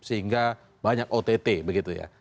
sehingga banyak ott begitu ya